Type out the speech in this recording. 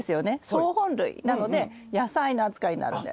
草本類なので野菜の扱いになるんです。